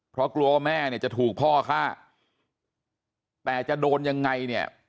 เพราะกลัวว่าแม่เนี่ยจะถูกพ่อฆ่าแต่จะโดนยังไงเนี่ย